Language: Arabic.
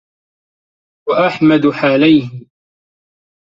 وَأَحْمَدُ حَالَيْهِ